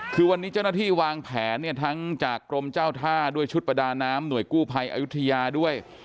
คือวันนี้เจ้าหน้าที่วางแผนเนี่ยทั้งจากกรมเจ้าท่าด้วยชุดประดาน้ำหน่วยกู้ภัยอายุทยาด้วย